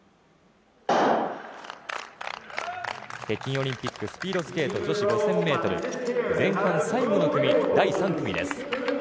北京オリンピックスピードスケート女子５０００ｍ前半最後の組、第３組です。